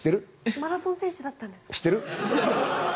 マラソン選手だったんですか？